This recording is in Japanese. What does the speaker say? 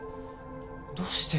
どうして？